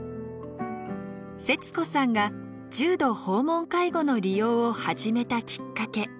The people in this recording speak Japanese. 摂子さんが重度訪問介護の利用を始めたきっかけ。